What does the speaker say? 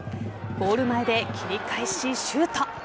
ゴール前で切り返し、シュート。